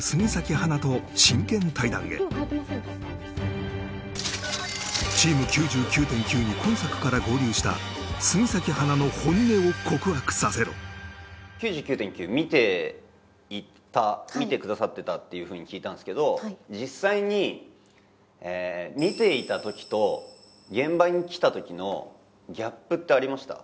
花と真剣対談へチーム９９．９に今作から合流した杉咲花の本音を告白させろ「９９．９」見てくださってたっていうふうに聞いたんですけど実際に見ていたときと現場に来たときのギャップってありました？